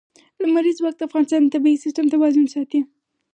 لمریز ځواک د افغانستان د طبعي سیسټم توازن ساتي.